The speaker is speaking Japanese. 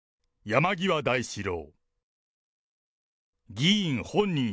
山際大志郎。